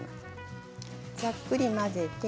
ざっくり混ぜて。